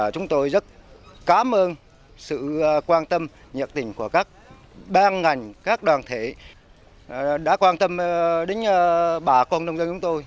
chúng tôi rất cảm ơn sự quan tâm nhiệt tình của các ban ngành các đoàn thể đã quan tâm đến bà con nông dân chúng tôi